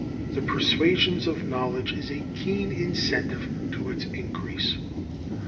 The persuasion of knowledge is a keen incentive to its increase.